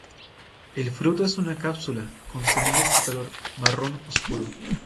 El fruto es una cápsula con semillas de color marrón oscuro.